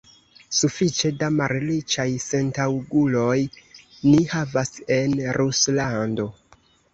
Sufiĉe da malriĉaj sentaŭguloj ni havas en Ruslando.